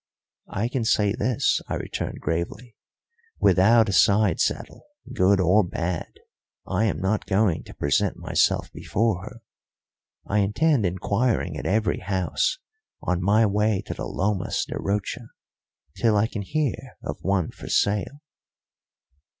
"I can say this," I returned gravely, "without a side saddle, good or bad, I am not going to present myself before her. I intend inquiring at every house on my way to the Lomas de Rocha till I can hear of one for sale."